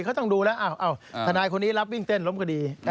เขาต้องดูแล้วทนายคนนี้รับวิ่งเต้นล้มคดี